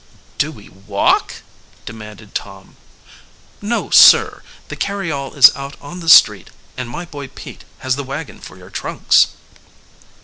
"Do we walk?" demanded Tom. "No, sir; the carryall is out on the street, and my boy Pete has the wagon for your trunks."